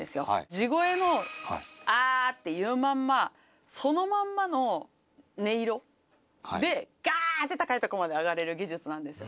地声の「あ」って言うまんまそのまんまの音色で「ガ」って高い所まで上がれる技術なんですよ